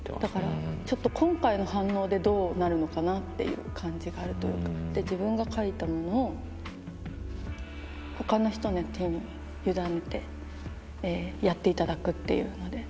ちょっと今回の反応でどうなるのかなっていう感じがあるというか自分が書いたものを他の人の手に委ねてやっていただくっていうので。